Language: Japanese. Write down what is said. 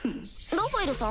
ラファエルさん？